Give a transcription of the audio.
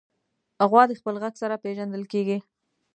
غوا د خپل غږ سره پېژندل کېږي.